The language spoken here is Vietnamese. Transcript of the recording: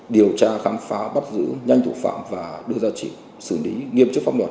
điều tra khám phá bắt giữ nhanh thủ phạm và đưa ra trị xử lý nghiêm chức pháp luật